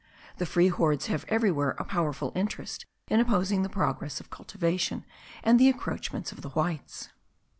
The free hordes have everywhere a powerful interest in opposing the progress of cultivation and the encroachments of the Whites.